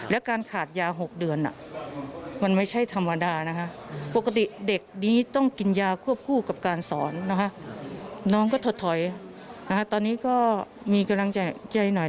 แล้วการขาดยา๖เดือนมันไม่ใช่ธรรมดานะคะปกติเด็กนี้ต้องกินยาควบคู่กับการสอนนะคะน้องก็ถดถอยตอนนี้ก็มีกำลังใจหน่อย